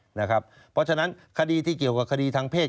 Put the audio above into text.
เพราะฉะนั้นคดีที่เกี่ยวกับคดีทางเพศ